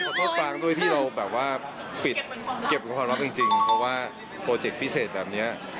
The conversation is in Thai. โทษปรางด้วยที่เราแบบว่าปิดเก็บความรักจริงเพราะว่าโปรเจคพิเศษแบบนี้